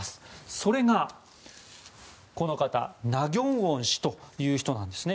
それがこの方ナ・ギョンウォン氏という人なんですね。